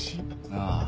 ああ。